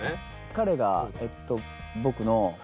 彼がえっと僕の道路